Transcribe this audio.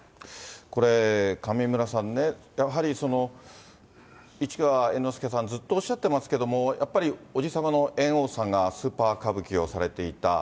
これ、上村さんね、やはり市川猿之助さん、ずっとおっしゃってますけれども、やっぱり伯父様の猿翁さんがスーパー歌舞伎をされていた。